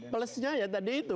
plusnya ya tadi itu